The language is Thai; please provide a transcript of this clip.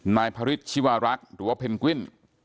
นายพระฤทธิวารักษ์หรือว่าเพนกวิน